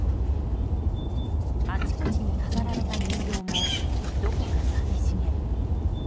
あちこちに飾られた人形もどこか寂しげ。